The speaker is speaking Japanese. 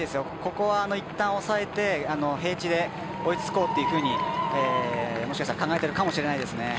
ここは一旦おさえて平地で追いつこうと考えているかもしれないですね。